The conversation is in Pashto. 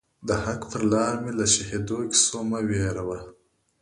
د حق پر لار می له شهیدو کیسو مه وېروه